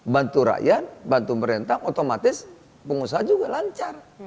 bantu rakyat bantu pemerintah otomatis pengusaha juga lancar